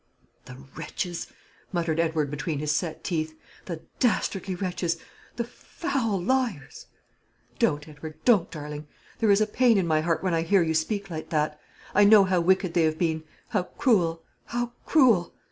"The wretches!" muttered Edward between his set teeth; "the dastardly wretches! the foul liars!" "Don't, Edward; don't, darling. There is a pain in my heart when I hear you speak like that. I know how wicked they have been; how cruel how cruel.